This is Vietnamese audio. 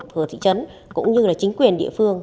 phường thị trấn cũng như là chính quyền địa phương